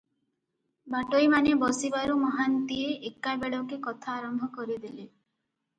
ବାଟୋଇମାନେ ବସିବାରୁ ମହାନ୍ତିଏ ଏକାବେଳକେ କଥା ଆରମ୍ଭ କରିଦେଲେ ।